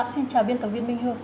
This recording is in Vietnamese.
xin chào biên tập viên minh hương